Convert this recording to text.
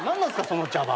その茶番。